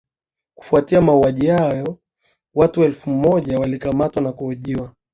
Kufuatia mauaji hayo watu elfu moja walikamatwa na kuhojiwa